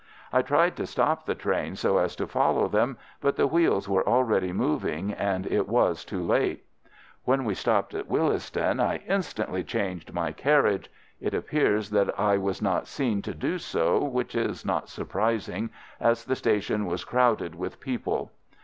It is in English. I tried to stop the train so as to follow them, but the wheels were already moving, and it was too late. "When we stopped at Willesden, I instantly changed my carriage. It appears that I was not seen to do so, which is not surprising, as the station was crowded with people.